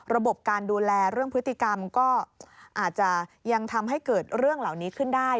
ระบบการดูแลเรื่องพฤติกรรมก็อาจจะยังทำให้เกิดเรื่องเหล่านี้ขึ้นได้